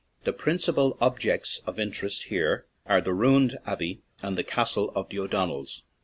The principal objects of interest here are the ruined abbey and the castle of the O'Donnells.